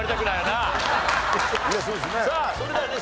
さあそれではね